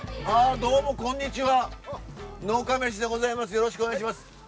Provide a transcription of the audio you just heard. どうもこんこんにちは。